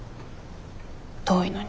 遠いのに。